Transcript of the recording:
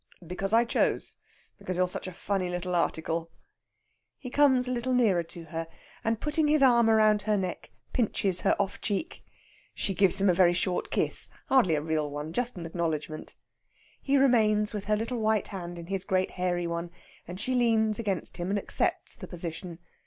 "Because I chose because you're such a funny little article." He comes a little nearer to her, and putting his arm round her neck, pinches her off cheek. She gives him a very short kiss hardly a real one just an acknowledgment. He remains with her little white hand in his great hairy one, and she leans against him and accepts the position.